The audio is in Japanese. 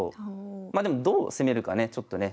まあでもどう攻めるかねちょっとね